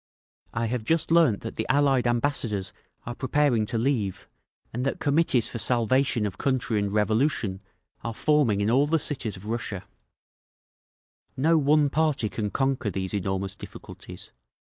"I have just learned that the Allied ambassadors are preparing to leave, and that Committees for Salvation of Country and Revolution are forming in all the cities of Russia…. "No one party can conquer these enormous difficulties.